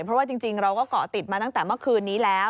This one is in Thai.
เพราะว่าจริงเราก็เกาะติดมาตั้งแต่เมื่อคืนนี้แล้ว